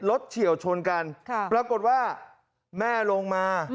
เฉียวชนกันปรากฏว่าแม่ลงมา